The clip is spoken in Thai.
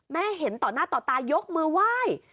แม่เห็นต่อหน้าต่อตายกมือไหว้